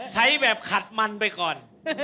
ใช้แบบขัดมันไปก่อน